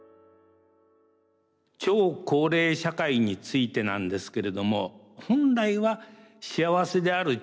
超高齢社会についてなんですけれども本来は幸せである長寿がですね